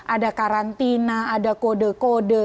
ada karantina ada kode kode